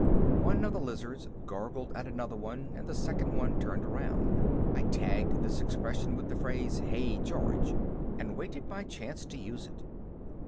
One of the lizards gargled at another one and the second one turned around. I tagged this expression with the phrase, "Hey, George!" and waited my chance to use it.